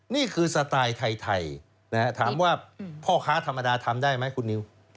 นี่คือสไตล์ไทยถามว่าพ่อค้าธรรมดาทำได้ไหมคุณนิว